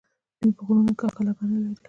دوی په غرونو کې کلاګانې لرلې